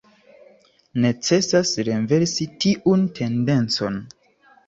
Necesas renversi tiun tendencon.